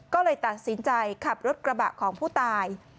ก็เลยตัดสินใจขับรถกระบะของผู้ตาย